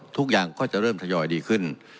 ทุกอย่างก็จะเริ่มทยอยดีขึ้น